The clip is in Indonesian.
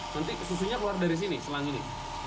nanti susunya keluar dari sini selang ini